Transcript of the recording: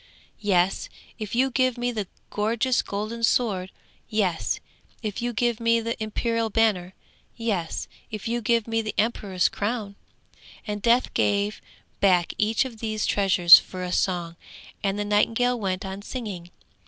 'Yes, if you give me the gorgeous golden sword; yes, if you give me the imperial banner; yes, if you give me the emperor's crown.' And Death gave back each of these treasures for a song, and the nightingale went on singing.